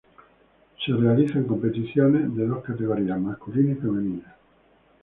Son realizadas competiciones en dos categorías: masculina y femenina.